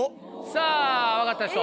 さぁ分かった人？